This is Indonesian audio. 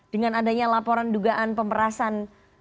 dengan adanya laporan dugaan pemerasan